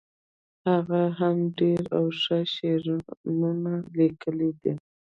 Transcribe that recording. هغه هم ډیر او هم ښه شعرونه لیکلي دي